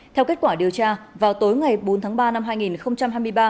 theo kết quả điều tra vào tối ngày bốn tháng ba năm hai nghìn hai mươi ba